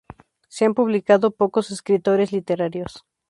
Se han publicado pocos escritores literarios.